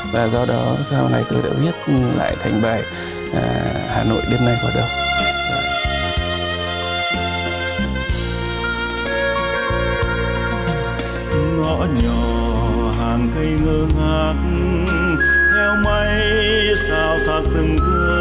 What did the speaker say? và do đó sau này tôi đã viết lại thành bài hà nội đêm nay vào đông